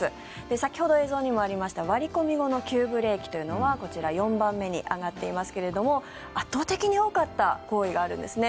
先ほど映像にもあった割り込み後の急ブレーキというのはこちら、４番目に挙がっていますが圧倒的に多かった行為があるんですね。